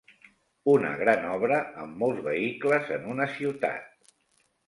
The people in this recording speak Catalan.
Una gran obra amb molts vehicles en una ciutat.